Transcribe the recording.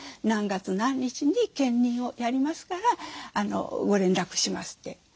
何月何日に検認をやりますからご連絡しますって。